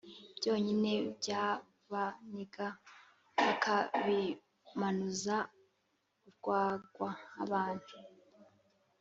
byonyine byabaniga bakabimanuza urwagwa. Abana